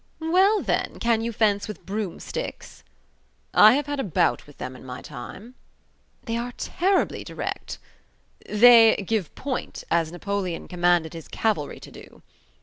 "Well, then, can you fence with broomsticks?" "I have had a bout with them in my time." "They are terribly direct." "They 'give point', as Napoleon commanded his cavalry to do."